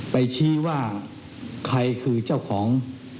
ชี้ว่าใครคือเจ้าของ